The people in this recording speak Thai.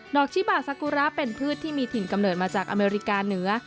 อกชิบาซากุระเป็นพืชที่มีถิ่นกำเนิดมาจากอเมริกาเหนือ